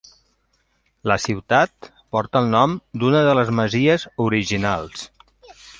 La ciutat porta el nom d'una de les masies originals.